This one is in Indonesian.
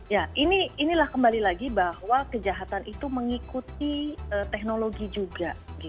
ya inilah kembali lagi bahwa kejahatan itu mengikuti teknologi juga